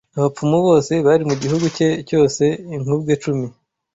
abapfumu bose bari mu gihugu cye cyose inkubwe cumi